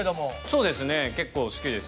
そうですね。